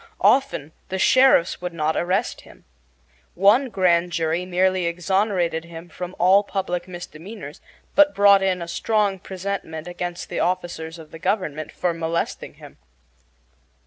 Often the sheriffs would not arrest him. One grand jury not merely exonerated him from all public misdemeanors, but brought in a strong presentment against the officers of the government for molesting him.